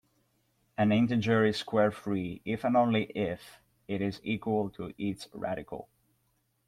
An integer is square-free if and only if it is equal to its radical.